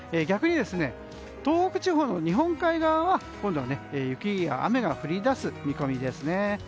逆に、東北地方の日本海側は今度は雪や雨が降り出す見込みです。